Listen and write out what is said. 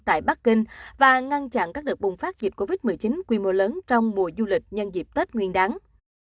tại bắc kinh và ngăn chặn các đợt bùng phát dịch covid một mươi chín quy mô lớn trong mùa du lịch nhân dịp tết nguyên đáng